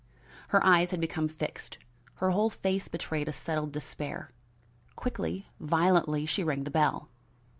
Her eyes had become fixed; her whole face betrayed a settled despair. Quickly, violently, she rang the bell.